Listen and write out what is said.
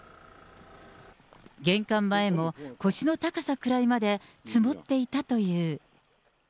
玄関前も腰の高さくらいまで積もっていたという。